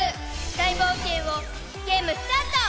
大冒険をゲームスタート！